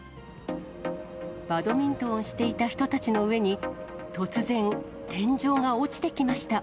バドミントンをしていた人たちの上に、突然天井が落ちてきました。